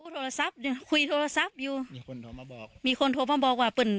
โทรศัพท์ยังคุยโทรศัพท์อยู่มีคนโทรมาบอกมีคนโทรมาบอกว่าเปิ้ล